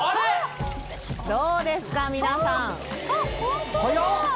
どうですか皆さん早っ！